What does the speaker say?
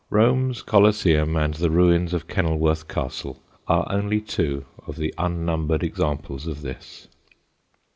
Rome's Coliseum and the ruins of Kenilworth Castle are only two of the unnumbered examples of this.